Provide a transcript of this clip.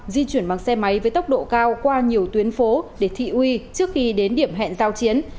di chuyển bằng xe máy với tốc độ cao qua nhiều tuyến phố để thị uy trước khi đến điểm hẹn giao chiến